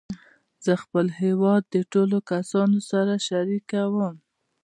زه خپل هېواد د ټولو کسانو سره شریکوم.